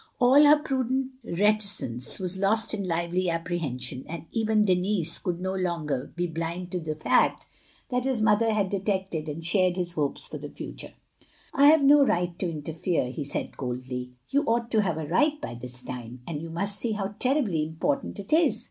" All her prudent reticence was lost in lively apprehension, and even Denis could no longer be 346 THE LONELY LADY 347 blind to the fact that his mother had detected and shared his hopes for the future. "I have no right to interfere," he said coldly. " You ought to have a right by this time. And you mtist see how terribly important it is.